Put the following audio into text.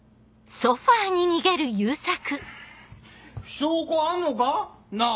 証拠あんのか？なぁ？